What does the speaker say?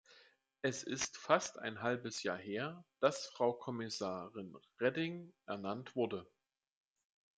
Es ist fast ein halbes Jahr her, dass Frau Kommissarin Reding ernannt wurde.